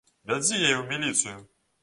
Вядзі яе ў міліцыю!